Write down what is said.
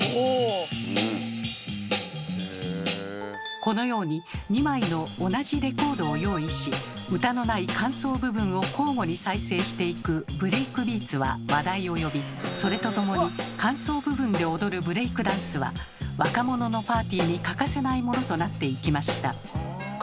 このように２枚の同じレコードを用意し歌のない間奏部分を交互に再生していくブレイクビーツは話題を呼びそれとともに間奏部分で踊るブレイクダンスは若者のパーティーに欠かせないものとなっていきました。